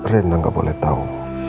rena gak boleh tau